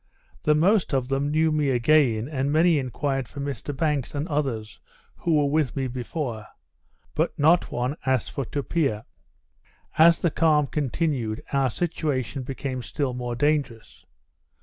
The most of them knew me again, and many enquired for Mr Banks and others who were with me before; but not one asked for Tupia. As the calm continued, our situation became still more dangerous.